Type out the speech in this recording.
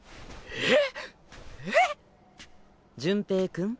えっ⁉えっ⁉潤平君